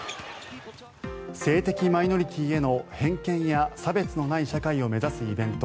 性的マイノリティーへの偏見や差別のない社会を目指すイベント